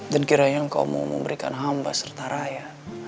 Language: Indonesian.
dan kiranya engkau mau memberikan hamba serta raya